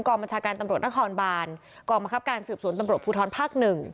บัญชาการตำรวจนครบานกองบังคับการสืบสวนตำรวจภูทรภาค๑